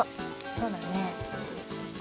そうだね。